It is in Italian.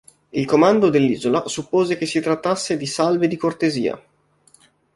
Il comando dell'isola suppose che si trattasse di salve di cortesia.